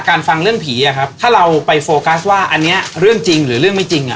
ฟังเรื่องผีอะครับถ้าเราไปโฟกัสว่าอันนี้เรื่องจริงหรือเรื่องไม่จริงอ่ะ